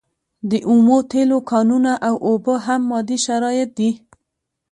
د اومو تیلو کانونه او اوبه هم مادي شرایط دي.